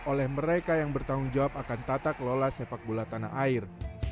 oleh mereka yang bertanggung jawab akan tata kelola sepak bola tanah air